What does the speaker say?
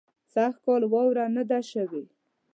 سږ کال واوره نۀ ده شوې